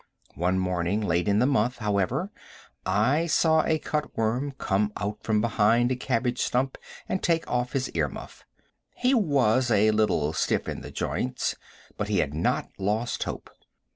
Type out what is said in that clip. One morning late in the month, however, I saw a cut worm come out from behind a cabbage stump and take off his ear muff. He was a little stiff in the joints, but he had not lost hope.